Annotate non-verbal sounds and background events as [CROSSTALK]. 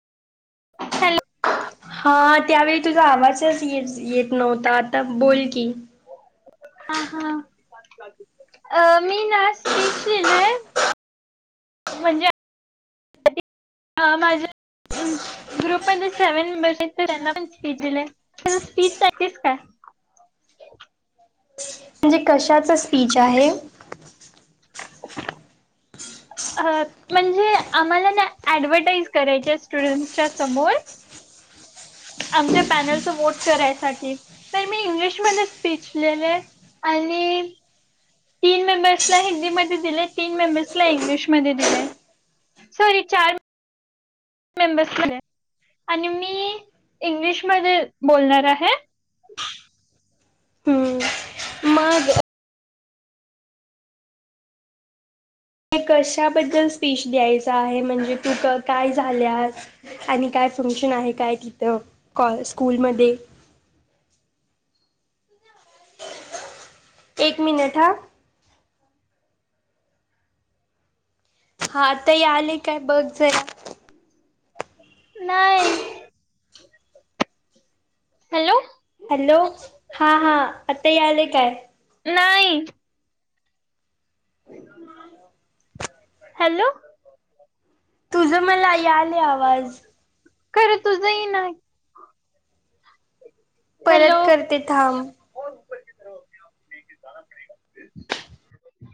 हल हा त्यावेळी तुझा आवाजच येत नव्हता आता बोल की. हा हा. मी ना स्पीच लिहिलाय म्हणजे माझ्या ग्रुपमध्ये सेव्हन मेंबर्स आहेत त्यांना पण स्पीज दिले. त स्पीच स का. [UNINTELLIGIBLE] म्हणजे कशाच स्पीच आहे. अ म्हणजे आम्हाला ना ऍडव्हटाईज करायच्या स्टुडंट्सच्या समोर. आमच्या पॅनलच वोट करायसाठी तर मी इंग्लिशमध्ये स्पीचलेले. आणि तीन मेंबर्सला हिंदीमध्ये दिले तीन मेंबर्सला इंग्लिशमध्ये दिले. सॉरी चार मेंबर्स आणि मी इंग्लिशमध्येध्ये बोलणार आहे. हम्म मग कशाबद्दल स्पीच द्यायचा आहे म्हणजे तू काय झाल्या. आणि काय फंक्शन आहे काय तिथं कॉ स्कूलमध्ये. एक मिनट ह. हा ताई आली काय बघ जरा. नाही. हॅलो. हॅलो हा हा आता यालेय काय. नाही. हॅलो. तुझं मला यालय आवाज. खरं तुझही ना. परत करते थांब.